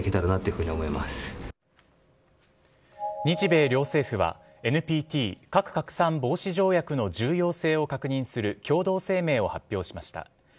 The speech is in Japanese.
日米両政府はＮＰＴ＝核拡散防止条約の重要性を確認する共同声明を発表しました。